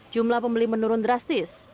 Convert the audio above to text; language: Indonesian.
jumlah pembeli menurun drastis